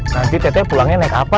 nanti tete pulangnya naik apa